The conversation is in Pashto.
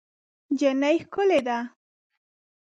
نجلۍ ښکلې ده.